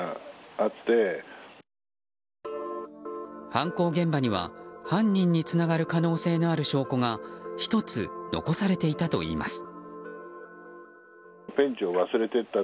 犯行現場には、犯人につながる可能性のある証拠が１つ残されていたといいます。